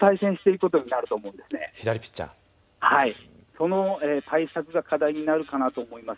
その対策が課題になるかなと思います。